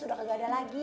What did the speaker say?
udah kagak ada lagi